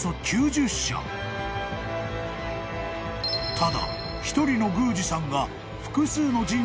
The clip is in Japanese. ［ただ］